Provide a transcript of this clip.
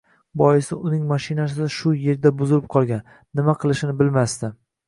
Boisi, uning mashinasi shu erda buzilib qolgan, nima qilishini bilmasdi